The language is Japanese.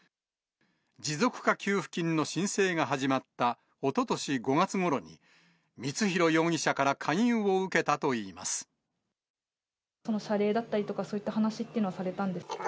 持続化給付金の申請が始まったおととし５月ごろに、光弘容疑者かその謝礼だったりとか、そういった話っていうのはされたんですか？